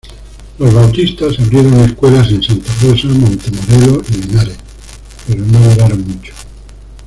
Los bautistas abrieron escuelas en Santa Rosa, Montemorelos y Linares pero no duraron mucho.